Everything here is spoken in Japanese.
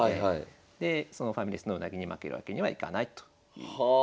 でそのファミレスのウナギに負けるわけにはいかないという。